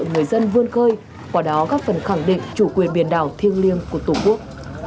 người dân vươn khơi qua đó góp phần khẳng định chủ quyền biển đảo thiêng liêng của tổ quốc